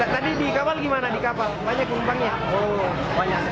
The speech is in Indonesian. tadi di kapal gimana banyak penumpangnya